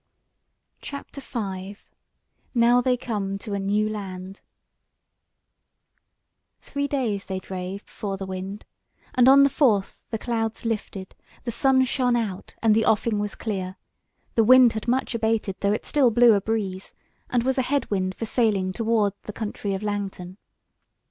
CHAPTER V: NOW THEY COME TO A NEW LAND Three days they drave before the wind, and on the fourth the clouds lifted, the sun shone out and the offing was clear; the wind had much abated, though it still blew a breeze, and was a head wind for sailing toward the country of Langton.